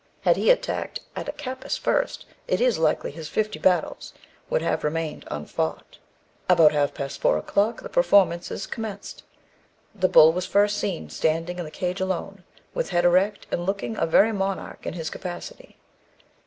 Had he tackled Attakapas first it is likely his fifty battles would have remained unfought. "About half past four o'clock the performances commenced. "The bull was first seen, standing in the cage alone, with head erect, and looking a very monarch in his capacity.